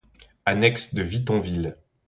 Annexe de Vittonville.